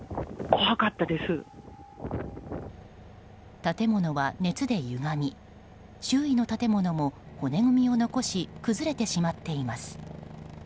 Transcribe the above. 建物は熱でゆがみ周囲の建物も骨組みを残し崩れてしまっています。